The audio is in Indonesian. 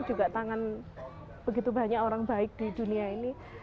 juga tangan begitu banyak orang baik di dunia ini